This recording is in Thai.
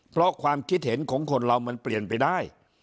เพราะความคิดเห็นของคนเรามันเปลี่ยนไปได้